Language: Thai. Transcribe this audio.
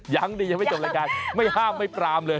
ยังดียังไม่จบรายการไม่ห้ามไม่ปรามเลย